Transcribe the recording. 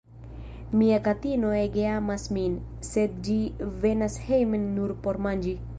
Mia katino ege amas min, sed ĝi venas hejmen nur por manĝi.